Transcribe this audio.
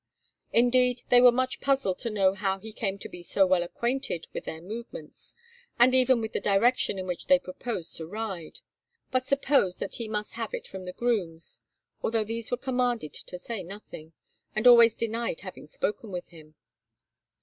Indeed, they were much puzzled to know how he came to be so well acquainted with their movements, and even with the direction in which they proposed to ride, but supposed that he must have it from the grooms, although these were commanded to say nothing, and always denied having spoken with him.